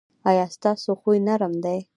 ایا ستاسو خوی نرم دی؟